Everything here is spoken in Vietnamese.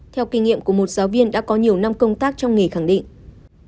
theo kinh nghiệm của một giáo viên đã có nhiều năm công tác trong nghề khẳng định